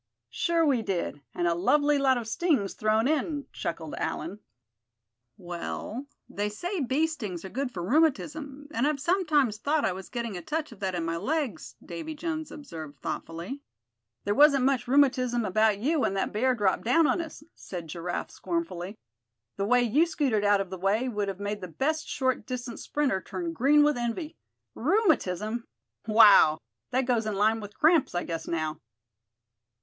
"Sure we did; and a lovely lot of stings thrown in," chuckled Allan. "Well, they say bee stings are good for rheumatism, and I've sometimes thought I was getting a touch of that in my legs," Davy Jones observed, thoughtfully. "There wasn't much rheumatism about you when that bear dropped down on us," said Giraffe, scornfully. "The way you scooted out of the way would have made the best short distance sprinter turn green with envy. Rheumatism! Wow! that goes in line with cramps, I guess, now."